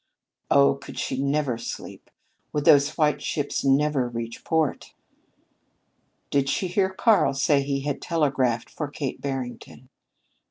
Oh, could she never sleep! Would those white ships never reach port! Did she hear Karl say he had telegraphed for Kate Barrington?